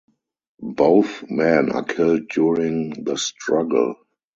Both men are killed during the struggle.